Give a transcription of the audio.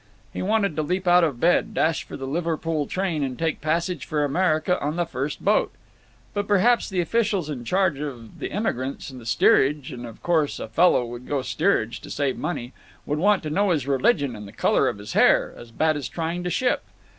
He wanted to leap out of bed, dash for the Liverpool train, and take passage for America on the first boat. But perhaps the officials in charge of the emigrants and the steerage (and of course a fellow would go steerage to save money) would want to know his religion and the color of his hair—as bad as trying to ship.